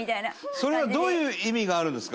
それはどういう意味があるんですか？